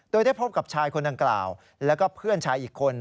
โดยได้พบกับชายคนดังกล่าวแล้วก็เพื่อนชายอีกคน